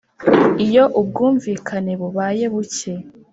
Iyo ubwumvikane bubaye buke